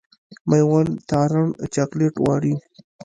مېوند تارڼ چاکلېټ غواړي.